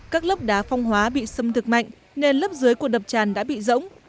các lớp đá phong hóa bị xâm thực mạnh nên lớp dưới của đập tràn đã bị rỗng